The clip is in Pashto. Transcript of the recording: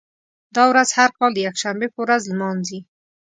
دا ورځ هر کال د یکشنبې په ورځ لمانځي.